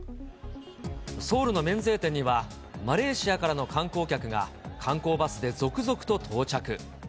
ソウルの免税店にはマレーシアからの観光客が、観光バスで続々と到着。